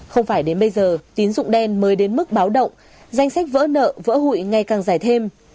không phải đến bây giờ tín dụng đen mới đến mức báo động danh sách vỡ nợ vỡ hụi ngày càng dài thêm